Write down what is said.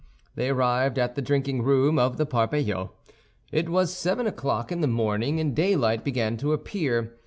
They arrived at the drinking room of the Parpaillot. It was seven o'clock in the morning, and daylight began to appear.